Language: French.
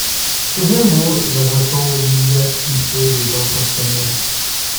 C'est bien beau dans un temps où il y a si peu de gens sincères.